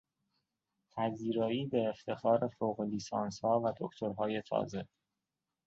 پذیرایی به افتخار فوق لیسانسها و دکترهای تازه